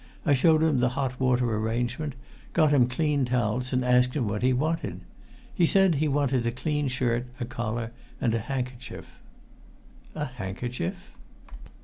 I showed him the hot water arrangement, got him clean towels, and asked him what he wanted. He said he wanted a clean shirt, a collar, and a handkerchief." "A handkerchief?"